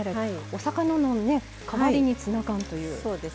お魚の代わりにツナ缶という。